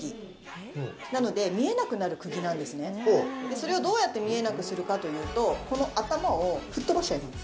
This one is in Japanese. それをどうやって見えなくするかというとこの頭を吹っ飛ばしちゃいます。